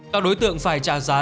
các đối tượng phải trả giá